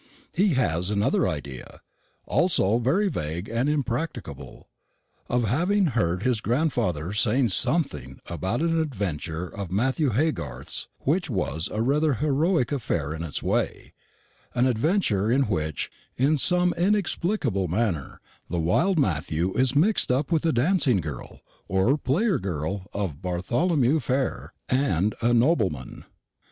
He has another idea also very vague and impracticable of having heard his grandfather say something about an adventure of Matthew Haygarth's, which was rather a heroic affair in its way an adventure in which, in some inexplicable manner, the wild Matthew is mixed up with a dancing girl, or player girl, of Bartholomew Fair, and a nobleman.